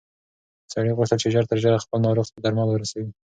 سړي غوښتل چې ژر تر ژره خپل ناروغ ته درمل ورسوي.